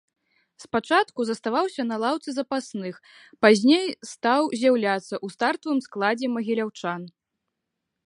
Спачатку заставаўся на лаўцы запасных, пазней стаў з'яўляцца ў стартавым складзе магіляўчан.